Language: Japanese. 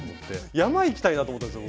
山行きたいなと思ったんですよ